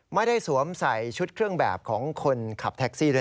ไม่ได้สวมใส่ชุดเครื่องแบบของคนขับแท็กซี่ด้วย